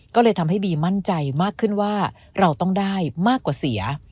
ก็เลยทำให้บีมั่นใจมากขึ้นว่าเราต้องได้มากกว่าเสีย